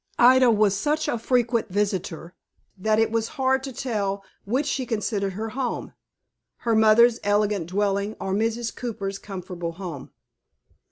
Ida was such a frequent visitor, that it was hard to tell which she considered her home her mother's elegant dwelling, or Mrs. Cooper's comfortable home.